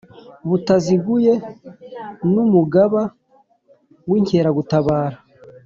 butaziguye n Umugaba w Inkeragutabara